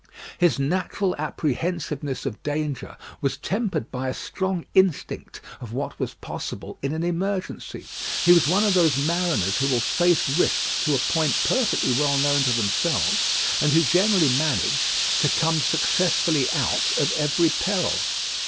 His natural apprehensiveness of danger was tempered by a strong instinct of what was possible in an emergency. He was one of those mariners who will face risks to a point perfectly well known to themselves, and who generally manage to come successfully out of every peril.